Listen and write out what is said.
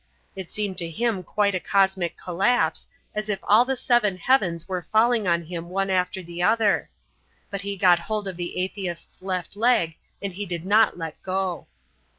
It seemed to him quite a cosmic collapse, as if all the seven heavens were falling on him one after the other. But he got hold of the atheist's left leg and he did not let it go.